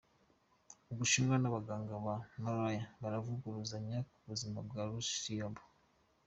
Ubushinwa n'abaganga ba Bulaya baravuguruzanya ku buzima bwa Liu Xiaobo.